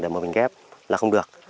để mà mình ghép là không được